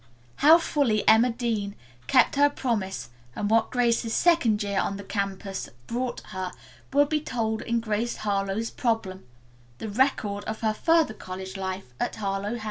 How fully Emma Dean kept her promise and what Grace's second year on the campus brought her will be told in "Grace Harlowe's Problem," the record of her further college life at Harlowe House.